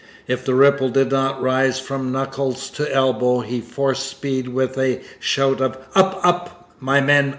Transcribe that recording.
If the ripple did not rise from knuckles to elbows, he forced speed with a shout of 'Up up, my men!